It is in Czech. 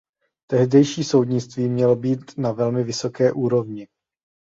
Tehdejší soudnictví mělo být na velmi vysoké úrovni.